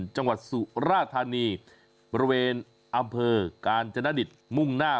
จังหวัดสุราธานีบริเวณอำเภอกาญจนดิตมุ่งหน้า